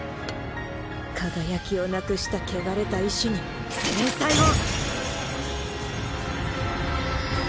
輝きをなくした汚れた石に制裁を！